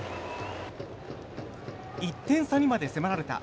１点差にまで迫られた